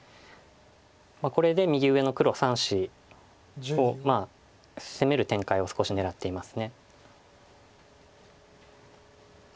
これで右上の黒３子を攻める展開を少し狙っています。